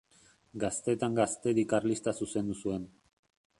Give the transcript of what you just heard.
Gaztetan Gaztedi Karlista zuzendu zuen.